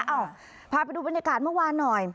พาไปดูบรรยากาศเมื่อวานหน่อย